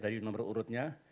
dari nomor urutnya